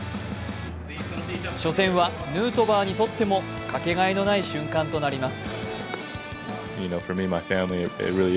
初戦はヌートバーにとってもかけがえのない瞬間となってます。